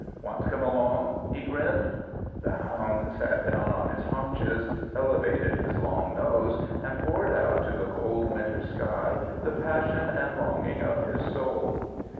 "Want to come along?" he grinned. The hound sat down on his haunches, elevated his long nose and poured out to the cold winter sky the passion and longing of his soul.